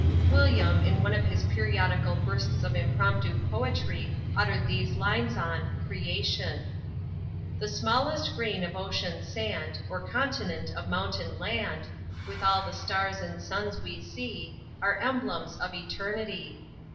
William, in one of his periodical bursts of impromptu poetry, uttered these lines on CREATION. _The smallest grain of ocean sand, Or continent of mountain land, With all the stars and suns we see Are emblems of eternity.